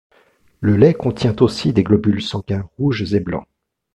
Le lait contient aussi des globules sanguins rouges et blancs.